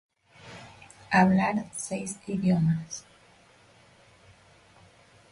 Habla seis idiomas.